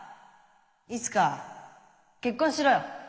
いつか結婚しろよ。